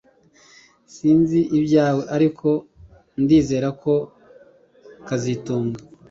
Sinzi ibyawe ariko ndizera ko kazitunga